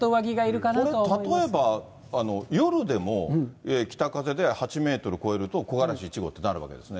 これ、例えば、夜でも、北風で８メートル超えると、木枯らし１号ってなるわけですね。